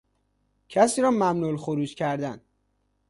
کسی را ممنوع الخروج کردن